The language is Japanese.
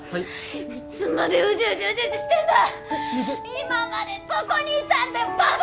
今までどこにいたんだよバカ！